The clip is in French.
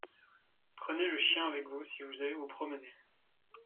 Prenez le chien avec vous si vous allez vous promener.